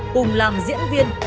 cùng làm diễn viên